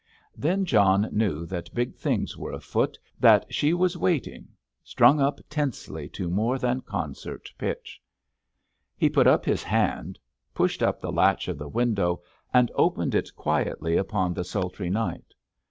Then John knew that big things were afoot, that she was waiting, strung up tensely to more than concert pitch. He put up his hand, pushed up the catch of the window, and opened it quietly upon the sultry night.